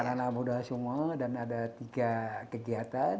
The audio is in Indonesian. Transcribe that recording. anak anak muda semua dan ada tiga kegiatan